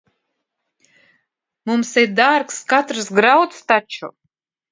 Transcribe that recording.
Mums ir dārgs katrs grauds taču.